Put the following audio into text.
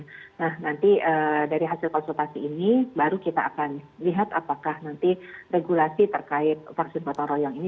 nah nanti dari hasil konsultasi ini baru kita akan lihat apakah nanti regulasi terkait vaksin gotong royong ini